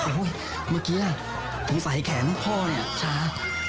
เมื่อกี้ถึงใส่แขนพ่อเนี่ยชา